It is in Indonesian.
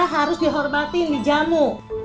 harus dihormatin dijamu